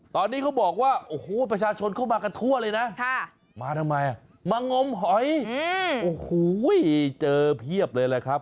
ตอนนี้เขาบอกว่าโอ้โหประชาชนเข้ามากันทั่วเลยนะมาทำไมมางมหอยโอ้โหเจอเพียบเลยแหละครับ